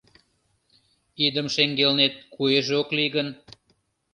Идым шеҥгелнет куэже ок лий гын